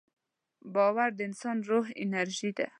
باور د انسان د روح انرژي ده.